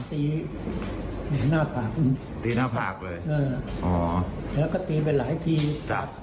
ตีเห็นหน้าผากตีหน้าผากเลยเอออ๋อแล้วก็ตีไปหลายทีครับ